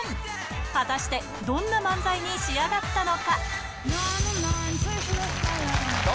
果たして、どんな漫才に仕上がったのか。